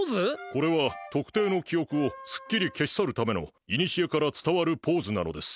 これは特定の記憶を「スッキリ」消し去るためのいにしえから伝わるポーズなのです。